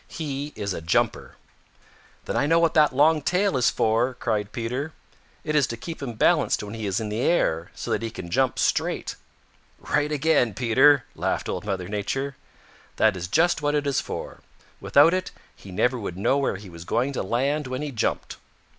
"He is a jumper." "Then I know what that long tail is for," cried Peter. "It is to keep him balanced when he is in the air so that he can jump straight." "Right again, Peter," laughed Old Mother Nature. "That is just what it is for. Without it, he never would know where he was going to land when he jumped.